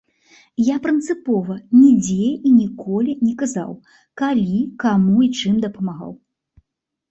Я прынцыпова нідзе і ніколі не казаў, калі, каму і чым дапамагаў.